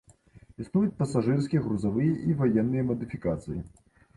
Існуюць пасажырскія, грузавыя і ваенныя мадыфікацыі.